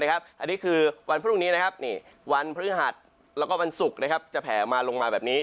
อันนี้คือวันพรุ่งนี้วันพฤหัสแล้วก็วันศุกร์จะแผลมาลงมาแบบนี้